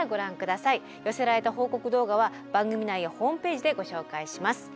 寄せられた報告動画は番組内やホームページでご紹介します。